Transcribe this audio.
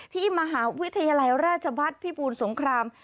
ที่มหาวิทยาลัยราชบรรทพี่ปูนสงคราม